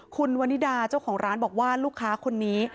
คุณวันนิดาเจ้าของร้านบอกว่าลูกค้าคนนี้